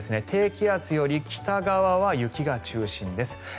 低気圧より北側は雪が中心です。